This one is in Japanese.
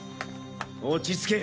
落ち着け